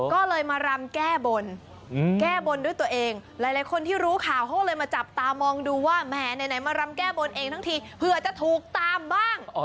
ก็เลยมารำแก้บนแก้บนด้วยตัวเองหลายคนที่รู้ข่าวเขาก็เลยมาจับตามองดูว่าแหมไหนมารำแก้บนเองทั้งทีเผื่อจะถูกตามบ้าง